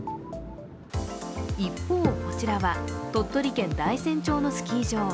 一方、こちらは鳥取県大山町のスキー場。